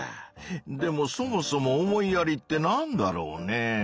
でもそもそも「思いやり」ってなんだろうね？